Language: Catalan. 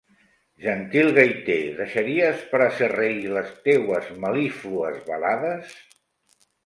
Gentil gaiter, deixaries per a ser rei, les teues mel·líflues balades?